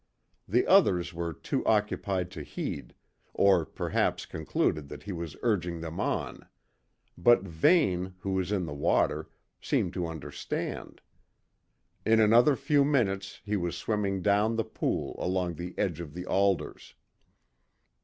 The others were too occupied to heed, or perhaps concluded that he was urging them on; but Vane, who was in the water, seemed to understand. In another few minutes he was swimming down the pool along the edge of the alders.